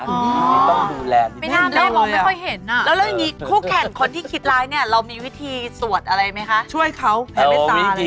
อ๋อนี่ต้องดูแลนิดนึง